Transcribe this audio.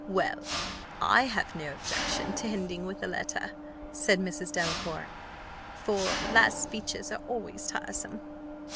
"Well, I have no objection to ending with a letter," said Mrs. Delacour; "for last speeches are always tiresome."